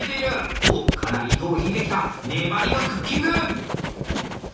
おっかなり糸を引いてきた粘りのクッキング！